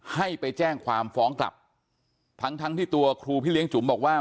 ให้ไปแจ้งความฟ้องกลับทั้งทั้งที่ตัวครูพี่เลี้ยงจุ๋มบอกว่า